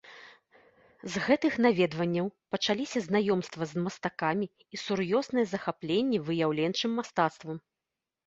З гэтых наведванняў пачаліся знаёмства з мастакамі і сур'ёзнае захапленне выяўленчым мастацтвам.